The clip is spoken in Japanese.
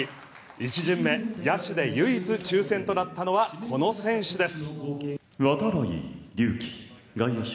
１巡目、野手で唯一抽選となったのはこの選手です。